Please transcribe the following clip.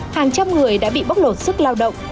hàng trăm người đã bị bóc lột sức lao động